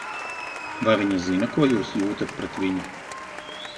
Vai viņa zina, ko jūs jūtat pret viņu?